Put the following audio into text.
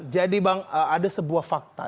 jadi bang ada sebuah fakta